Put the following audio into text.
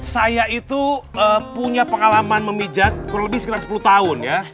saya itu punya pengalaman memijat kurang lebih sekitar sepuluh tahun ya